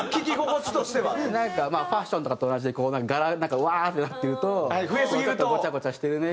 なんかファッションとかと同じで柄なんかワーッてなってるとちょっとごちゃごちゃしてるね。